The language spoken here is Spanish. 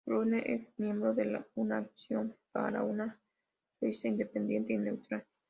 Brunner es miembro de una Acción para una Suiza Independiente y Neutral.